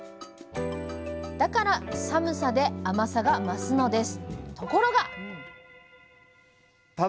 だから寒さで甘さが増すのです！